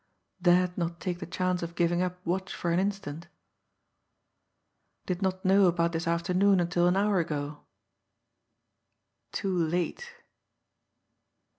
dared not take the chance of giving up watch for an instant ... did not know about this afternoon until an hour ago ... too late